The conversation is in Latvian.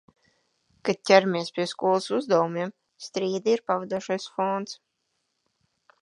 Kad ķeramies pie skolas uzdevumiem, strīdi ir pavadošais fons...